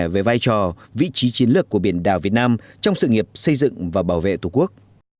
về vai trò vị trí chiến lược của biển đảo việt nam trong sự nghiệp xây dựng và bảo vệ tổ quốc